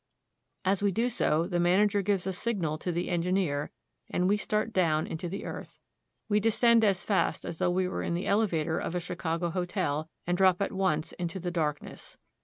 As we do so, the manager gives a signal to the en gineer, and we start down into the earth. We descend as fast as though we were in the elevator of a Chicago hotel, and drop at once into the darkness.